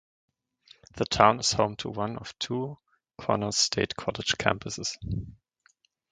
The town is home to one of the two Connors State College campuses.